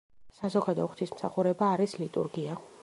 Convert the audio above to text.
საზოგადო ღვთისმსახურება არის ლიტურგია.